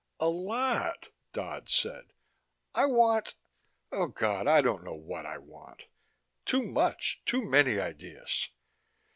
"A lot," Dodd said. "I want oh, God, I don't know what I want. Too much. Too many ideas